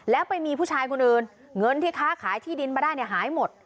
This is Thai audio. แล้วไปมีผู้ชายคนอื่นเงินที่ค้าขายที่ดินมาได้เนี่ยหายหมด